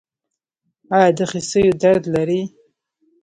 ایا د خصیو درد لرئ؟